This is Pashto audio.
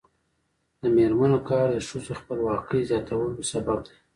د میرمنو کار د ښځو خپلواکۍ زیاتولو سبب دی.